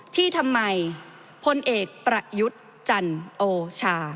ที่ทำไมพลเอกประยุทธ์จันโอชา